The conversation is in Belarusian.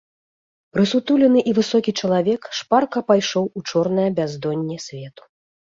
Прысутулены і высокі чалавек шпарка пайшоў у чорнае бяздонне свету.